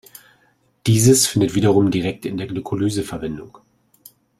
Dieses findet wiederum direkt in der Glykolyse Verwendung.